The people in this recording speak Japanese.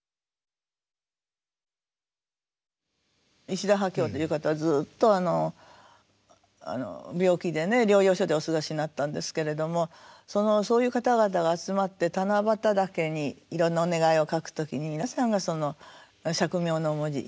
石田波郷という方はずっと病気で療養所でお過ごしになったんですけれどもそういう方々が集まって七夕竹にいろんなお願いを書く時に皆さんが「惜命の文字」。